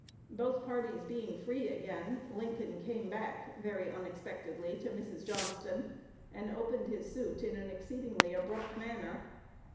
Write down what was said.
Both parties being free again, Lincoln came back, very unexpectedly to Mrs. Johnston, and opened his suit in an exceedingly abrupt manner.